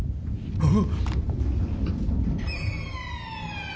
あっ。